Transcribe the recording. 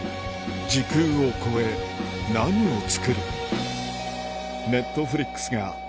時空を越え何をつくる？